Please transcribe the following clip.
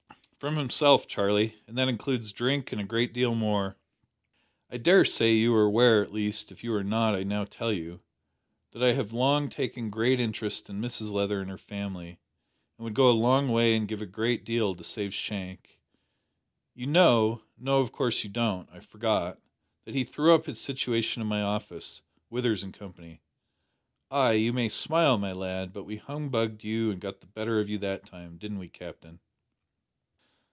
"From himself, Charlie, and that includes drink and a great deal more. I dare say you are aware at least, if you are not, I now tell you that I have long taken great interest in Mrs Leather and her family, and would go a long way, and give a great deal, to save Shank. You know no, of course you don't, I forgot that he threw up his situation in my office Withers and Company. (Ay, you may smile, my lad, but we humbugged you and got the better of you that time. Didn't we, Captain?)